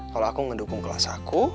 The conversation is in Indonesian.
kalau aku mendukung kelas aku